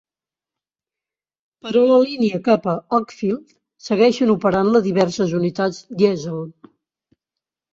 Però la línia cap a Uckfield segueixen operant-la diverses unitats dièsel.